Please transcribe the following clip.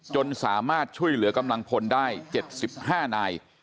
จนสามารถช่วยเหลือกำลังพลได้๗๕นาย